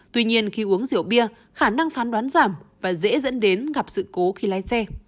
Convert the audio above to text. tuy nhiên khi uống rượu bia khả năng phán đoán giảm và dễ dẫn đến gặp sự cố khi lái xe